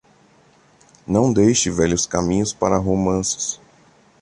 Não deixe velhos caminhos para romances.